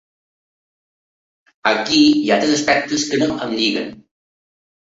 Aquí hi ha tres aspectes que no em lliguen.